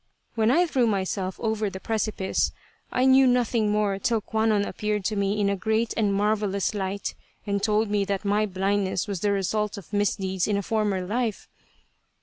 When I threw myself over the precipice, I knew nothing more till Kwannon appeared to me in a great and marvellous light and told me that my blindness was the result of misdeeds in a former life."